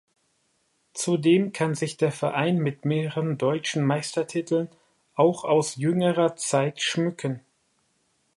Zudem kann sich der Verein mit mehreren deutschen Meistertiteln, auch aus jüngerer Zeit schmücken.